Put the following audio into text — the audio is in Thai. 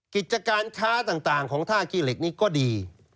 กิจการค้าต่างของท่าขี้เหล็กนี้ก็ดี